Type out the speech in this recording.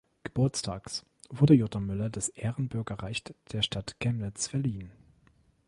Geburtstags, wurde Jutta Müller das Ehrenbürgerrecht der Stadt Chemnitz verliehen.